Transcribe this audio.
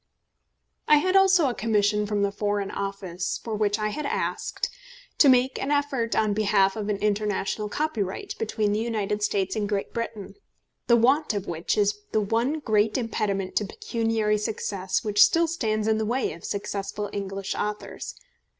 ] I had also a commission from the Foreign Office, for which I had asked, to make an effort on behalf of an international copyright between the United States and Great Britain, the want of which is the one great impediment to pecuniary success which still stands in the way of successful English authors.